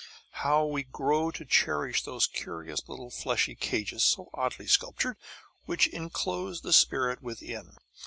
How we grow to cherish those curious little fleshy cages so oddly sculptured which inclose the spirit within.